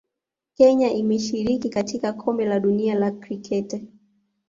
Kenya imeshiriki katika Kombe la Dunia la Kriketi